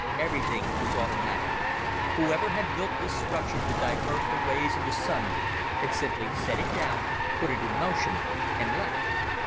Everything was automatic. Whoever had built this structure to divert the rays of the Sun had simply set it down, put it in motion, and left.